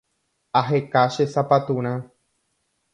Aheka che sapaturã